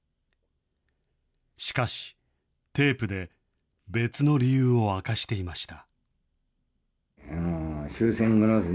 しかし、テープで別の理由を明かしていました。